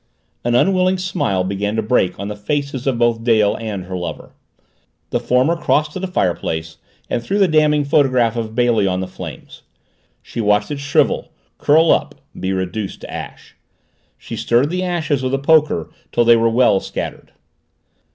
An unwilling smile began to break on the faces of both Dale and her lover. The former crossed to the fireplace and threw the damning photograph of Bailey on the flames. She watched it shrivel curl up be reduced to ash. She stirred the ashes with a poker till they were well scattered.